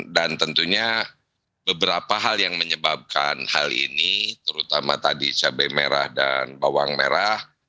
dan tentunya beberapa hal yang menyebabkan hal ini terutama tadi cabai merah dan bawang merah